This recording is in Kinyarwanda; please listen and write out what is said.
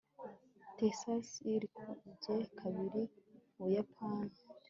texas irikubye kabiri ubuyapani